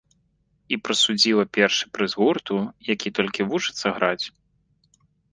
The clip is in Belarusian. І прысудзіла першы прыз гурту, які толькі вучыцца граць.